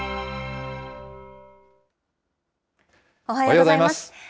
おはようございます。